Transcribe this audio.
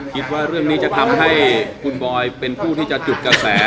คิดว่าเรื่องนี้จะทำให้คุณบอยเป็นผู้ที่จะจุดกระแส